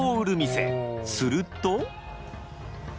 すると。